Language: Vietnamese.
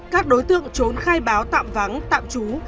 các đối tượng trốn khai báo tạm vắng tạm trú